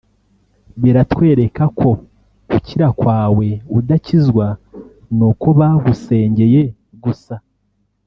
Biratwereka ko gukira kwawe udakizwa nuko bagusengeye gusa